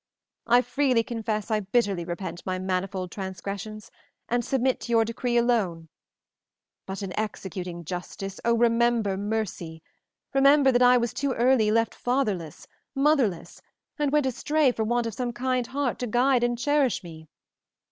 I freely confess I bitterly repent my manifold transgressions, and submit to your decree alone; but in executing justice, oh, remember mercy! Remember that I was too early left fatherless, motherless, and went astray for want of some kind heart to guide and cherish me.